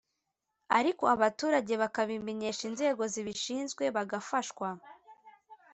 ariko abaturage bakabimenyesha inzego zibishinzwe bagafashwa.